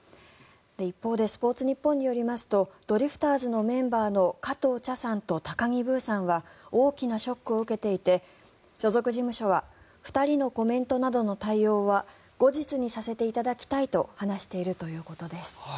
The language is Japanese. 一方でスポーツニッポンによりますとドリフターズのメンバーの加藤茶さんと高木ブーさんは大きなショックを受けていて所属事務所は２人のコメントなどの対応は後日にさせていただきたいと話しているということです。